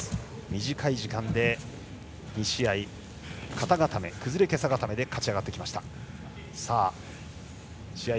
短い時間で２試合肩固め、崩れけさ固めで勝ち上がってきました。